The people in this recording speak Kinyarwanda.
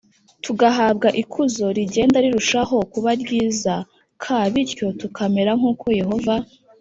tugahabwa ikuzo rigenda rirushaho kuba ryiza k bityo tukamera nk uko Yehova